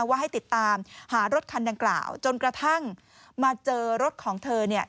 ว่าให้ติดตามหารถคันดังกล่าวจนกระทั่งมาเจอรถของเธอเนี่ย